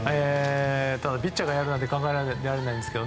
ただ、ピッチャーがやるなんて考えられないですが。